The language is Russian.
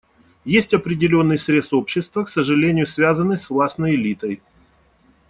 Есть определенный срез общества, к сожалению связанный с властной элитой.